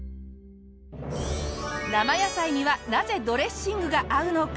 生野菜にはなぜドレッシングが合うのか？